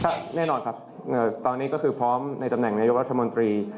แน่นอนครับตอนนี้ก็คือพร้อมในตำแหน่งนายกรัฐมนตรี